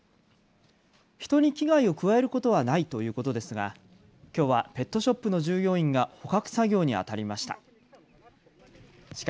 人に危害を加えることはないということですがきょうはペットショップの従業員が捕獲作業にあたりました。